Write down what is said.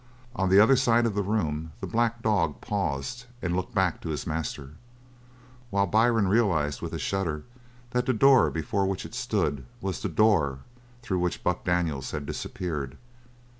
On the other side of the room the black dog paused and looked back to his master, while Byrne realised with a shudder that the door before which it stood was the door through which Buck Daniels had disappeared.